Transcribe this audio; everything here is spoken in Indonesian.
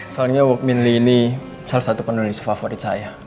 soalnya wuk min lee ini salah satu penulis favorit saya